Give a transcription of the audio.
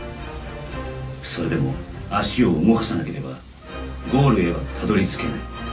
それでも足を動かさなければゴールへはたどり着けない